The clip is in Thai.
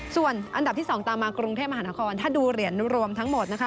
ส่วนอันดับที่๒ตามมากรุงเทพมหานครถ้าดูเหรียญรวมทั้งหมดนะคะ